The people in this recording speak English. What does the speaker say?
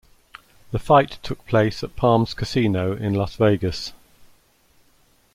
The fight took place at Palms Casino in Las Vegas.